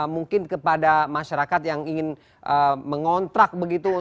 mungkin kepada masyarakat yang ingin mengontrak begitu